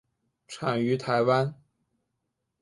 产于台湾。